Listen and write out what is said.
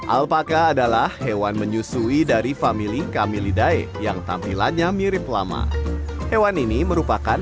alpaka adalah hewan menyusui dari family kamilidae yang tampilannya mirip lama hewan ini merupakan